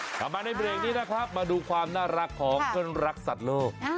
กลับมาในเบรกนี้นะครับมาดูความน่ารักของเพื่อนรักสัตว์โลก